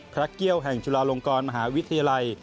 เกี่ยวแห่งจุฬาลงกรมหาวิทยาลัย